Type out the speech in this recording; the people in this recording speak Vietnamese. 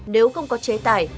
nếu không có chế tài